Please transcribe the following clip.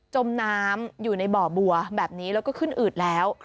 จมน้ำอยู่ในบ่อบัวแบบนี้แล้วก็ขึ้นอืดแล้ว